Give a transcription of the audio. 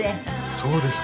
そうですか。